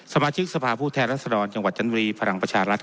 สมาชิกสภาผู้แทนรัศนรรดิ